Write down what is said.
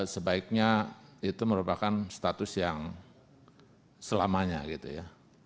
sebaiknya itu merupakan status yang selamanya gitu ya